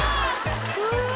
「うわ！